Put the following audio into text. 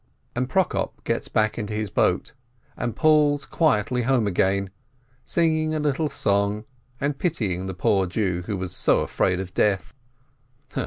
And Prokop gets back into his boat, and pulls quietly home again, singing a little song, and pitying the poor Jew who was so afraid of death.